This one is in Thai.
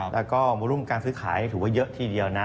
แล้วก็มูลการซื้อขายถือว่าเยอะทีเดียวนะ